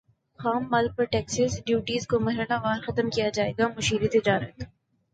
خام مال پر ٹیکسز ڈیوٹیز کو مرحلہ وار ختم کیا جائے گا مشیر تجارت